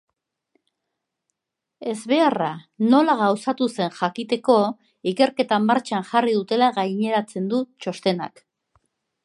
Ezbeharra nola gauzatu zen jakiteko ikerketa martxan jarri dutela gainetatzen du txostenak.